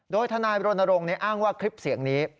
โดยธนายบริโรนโรงเนี่ยอ้างว่าคลิปเสียงนี้